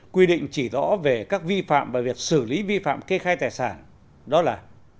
quy định chỉ rõ về các vi phạm và việc xử lý vi phạm kê khai tài sản đó là